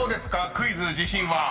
クイズ自信は］